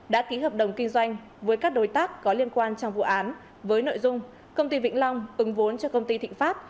đã ký hợp đồng kinh doanh với các đối tác có liên quan trong vụ án với nội dung công ty vĩnh long ứng vốn cho công ty thịnh pháp